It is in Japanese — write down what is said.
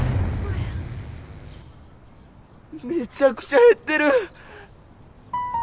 めちゃくちゃ減ってる！